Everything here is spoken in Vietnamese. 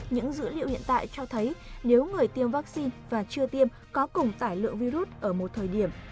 những dữ liệu hiện tại cho thấy nếu người tiêm vaccine và chưa tiêm có cùng tải lượng virus ở một thời điểm